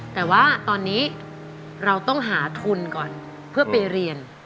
แต่ว่าตอนนี้เราต้องหาทุนก่อนเพื่อไปเรียน